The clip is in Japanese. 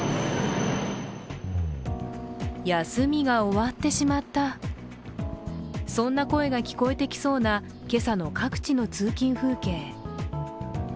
休みが終わってしまった、そんな声が聞こえてきそうなけさの各地の通勤風景。